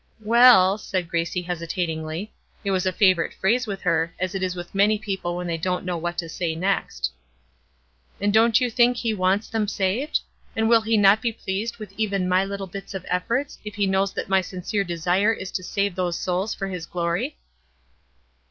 "Well!" said Gracie, hesitatingly. It was a favorite phrase with her, as it is with many people when they don't know what to say next. "And don't you think he wants them saved? And will he not be pleased with even my little bits of efforts if he knows that my sincere desire is to save these souls for his glory?"